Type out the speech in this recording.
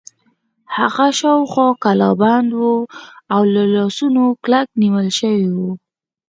هغه شاوخوا کلابند و او له لاسونو کلک نیول شوی و.